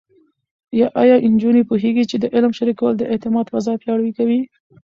ایا نجونې پوهېږي چې علم شریکول د اعتماد فضا پیاوړې کوي؟